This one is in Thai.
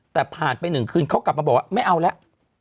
แต่ผ่านไป๑คืนเขากลับมาบอกว่าไม่เอาแล้ว